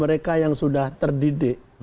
mereka yang sudah terdidik